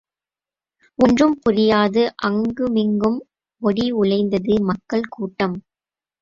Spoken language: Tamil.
ஒன்றும் புரியாது அங்குமிங்கும் ஒடி உலைந்தது மக்கள் கூட்டம்.